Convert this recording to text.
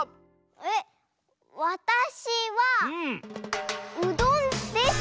えっわたしはうどんです！